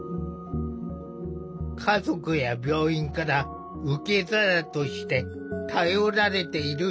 家族や病院から受け皿として頼られている滝山病院。